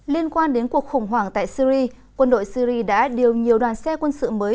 liên quan đến cuộc khủng hoảng tại syri quân đội syri đã điều nhiều đoàn xe quân sự mới